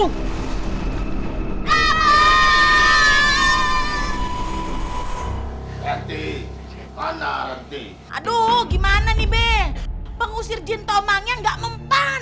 nanti mana renti aduh gimana nih be pengusir jentolmanya enggak mempan